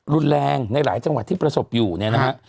รุนแรงในหลายจังหวัดที่ประสบอยู่เนี่ยนะฮะ